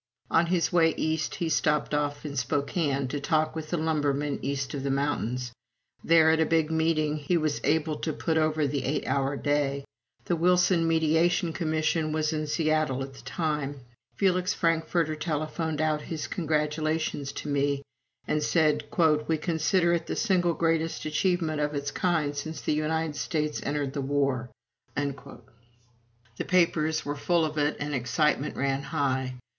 On his way East he stopped off in Spokane, to talk with the lumbermen east of the mountains. There, at a big meeting, he was able to put over the eight hour day. The Wilson Mediation Commission was in Seattle at the time. Felix Frankfurter telephoned out his congratulations to me, and said: "We consider it the single greatest achievement of its kind since the United States entered the war." The papers were full of it and excitement ran high.